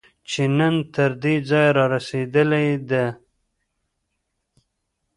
چې نن تر دې ځایه رارسېدلې ده